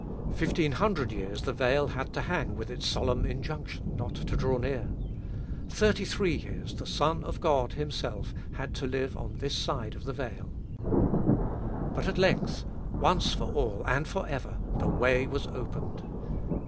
Fifteen hundred years the veil had to hang with its solemn injunction not to draw near. Thirty three years the Son of God Himself had to live on this side of the veil. But at 294 m>e Iboliest of Bll length, once for all and for ever, the way was opened.